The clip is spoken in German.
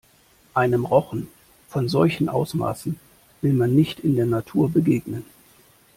Einem Rochen von solchen Ausmaßen will man nicht in der Natur begegnen.